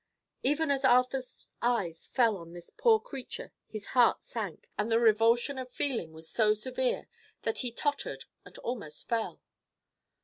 Even as Arthur's eyes fell on this poor creature his heart sank, and the revulsion of feeling was so severe that he tottered and almost fell.